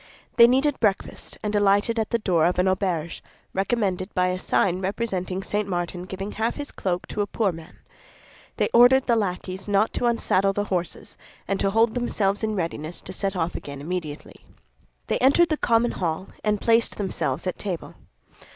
They needed breakfast, and alighted at the door of an auberge, recommended by a sign representing St. Martin giving half his cloak to a poor man. They ordered the lackeys not to unsaddle the horses, and to hold themselves in readiness to set off again immediately. They entered the common hall, and placed themselves at table.